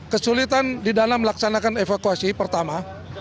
kesulitan di dalam melaksanakan evakuasi pertama